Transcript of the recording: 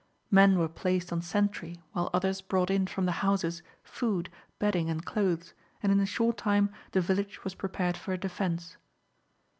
Men were placed on sentry, while others brought in from the houses food, bedding, and clothes, and in a short time the village was prepared for a defence.